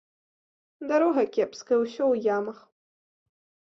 Дарога кепская, усё ў ямах.